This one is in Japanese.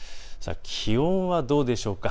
気温はどうでしょうか。